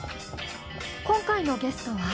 今回のゲストは？